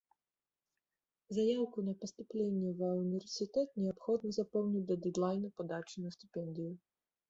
Заяўку на паступленне ва універсітэт неабходна запоўніць да дэдлайну падачы на стыпендыю.